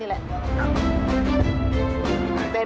มีชีวิตที่สุดในประโยชน์